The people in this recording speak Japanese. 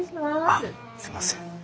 あっすいません。